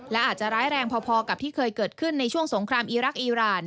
และอาจจะร้ายแรงพอกับที่เคยเกิดขึ้นในช่วงสงครามอีรักษ์อีราน